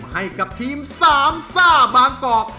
ให้กับทีมสามซ่าบางกอก